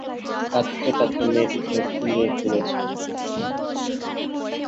কাঁদতে-কাঁদতে মেয়েটি চোখ ফুলিয়ে ফেলেছে।